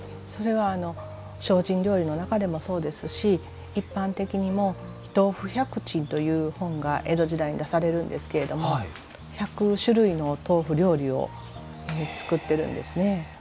それは精進料理の中でもそうですし一般的にも「豆腐百珍」という本が江戸時代に出されるんですけれども１００種類の豆腐料理を作ってるんですね。